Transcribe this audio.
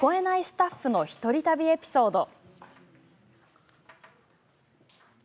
スタッフの一人旅エピソード。